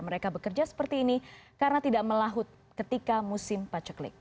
mereka bekerja seperti ini karena tidak melaut ketika musim paceklik